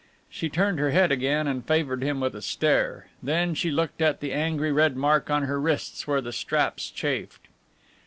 She turned her head again and favoured him with a stare. Then she looked at the angry red mark on her wrists where the straps chafed.